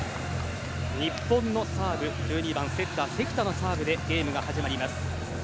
日本のサーブ、１２番セッター、関田のサーブでゲームが始まります。